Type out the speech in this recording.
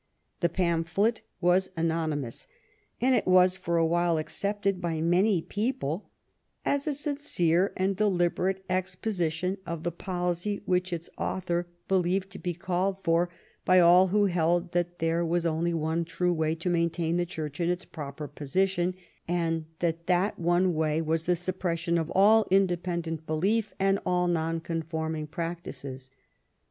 The pamphlet was anonymous, and it was for a while accepted by many people as a sincere and deliberate exposition of the policy which its author believed to 74 DISSENT AND DBFOE be called for by all who held that there was only one true way to maintain the Church in its proper position, and that that one way was the suppression of all inde pendent belief and all nonconforming practices.